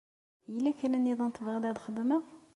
Yella kra niḍen tebɣiḍ ad xedmeɣ?